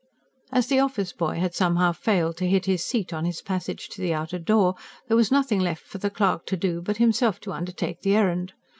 As the office boy had somehow failed to hit his seat on his passage to the outer door, there was nothing left for the clerk to do but himself to undertake the errand.